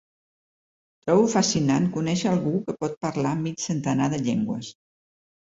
Trobo fascinant conèixer algú que pot parlar mig centenar de llengües.